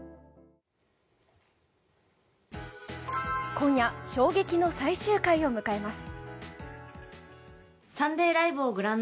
今夜衝撃の最終回を迎えます。